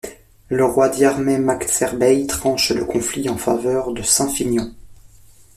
Le roi Diarmait mac Cerbaill tranche le conflit en faveur de saint Finian.